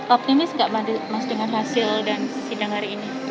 optimis nggak mas dengan hasil dan sidang hari ini